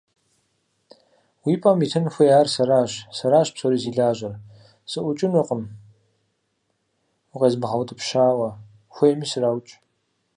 Уи пӀэм итын хуеяр сэращ, сэращ псори зи лажьэр, сыӀукӀынукъым укъезмыгъэутӀыпщауэ, хуейми сраукӀ!